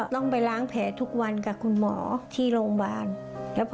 ต้องไปล้างแผลทุกวันกับคุณหมอที่โรงพยาบาล